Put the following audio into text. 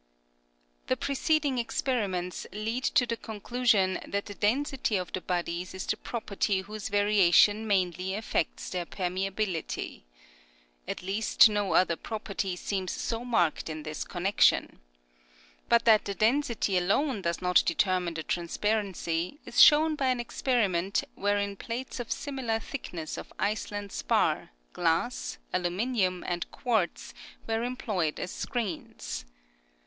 The preceding experiments lead to the conclusion that the density of the bodies is the property whose variation mainly affects their permeability. At least no other property seems so marked in this con nection. But that the density alone does not determine the transparency is shown by 228 SCIENCE [N. S. Vol. III. No. 59. an experiment wherein plates of similar thickness of Iceland spar, glass, aluminium and quartz were employed as screens.